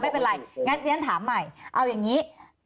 ไม่เป็นไรงั้นเรียนถามใหม่เอาอย่างนี้